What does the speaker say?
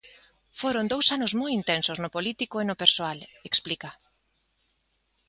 Foron dous anos moi intensos no político e no persoal, explica.